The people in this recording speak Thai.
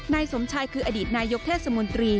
นายสมชายคืออดีตนายกเทศมนตรี